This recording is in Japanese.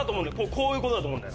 こういうことだと思うんだ。